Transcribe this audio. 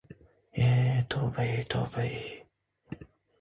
E, tavba-ye, tavba-ye!